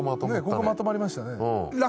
ここまとまりましたね。